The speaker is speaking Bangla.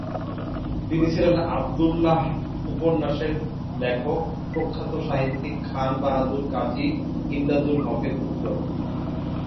তিনি ছিলেন ‘আবদুল্লাহ’ উপন্যাসের লেখক প্রখ্যাত সাহিত্যিক খান বাহাদুর কাজী ইমদাদুল হকের পুত্র।